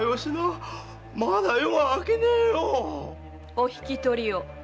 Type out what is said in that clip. お引き取りを。